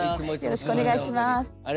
よろしくお願いします。